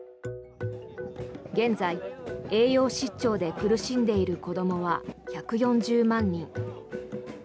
現在、栄養失調で苦しんでいる子どもは１４０万人。